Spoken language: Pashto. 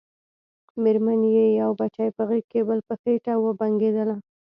مېرمن يې يو بچی په غېږ کې بل په خېټه وبنګېدله.